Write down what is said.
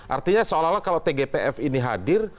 artinya seolah olah kalau tgpf ini hadir